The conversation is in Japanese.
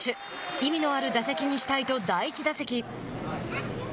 意味のある打席にしたいと第１打席。